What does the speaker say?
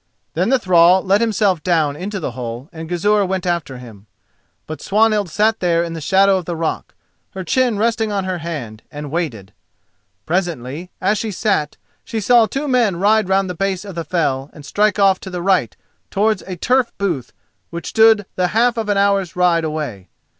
Then the thrall let himself down into the hole and Gizur went after him. But Swanhild sat there in the shadow of the rock, her chin resting on her hand, and waited. Presently, as she sat, she saw two men ride round the base of the fell, and strike off to the right towards a turf booth which stood the half of an hour's ride away.